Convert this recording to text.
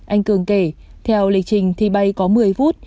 anh cường kể theo lịch trình thì bay có một mươi phút